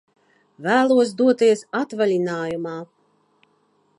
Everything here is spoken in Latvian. Vēlos doties atvaļinājumā!